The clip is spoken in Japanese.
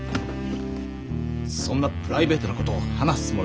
そんなプライベートなことを話すつもりはないよ。